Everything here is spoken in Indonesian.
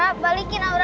aura balikin aura